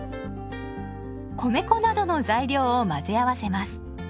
米粉などの材料を混ぜ合わせます。